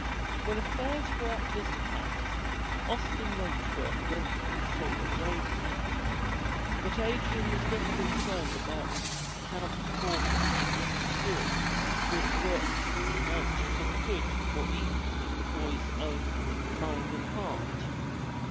When affairs were at this pass, Austin Wentworth went to consult with Adrian. But Adrian was little concerned about how the course Richard was pursuing would work out for good or evil in the boy's own mind and heart.